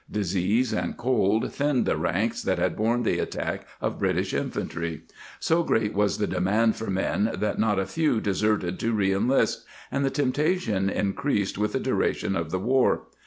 vol. 2, col. 1293. [ 52 ] Maintaining the Forces disease and cold thinned the ranks that had borne the attack of British infantry. So great was the demand for men that not a few deserted to reenHst, and the temptation increased with the duration of the war.